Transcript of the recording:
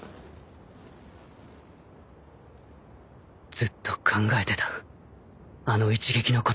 ずっと考えてたあの一撃のことを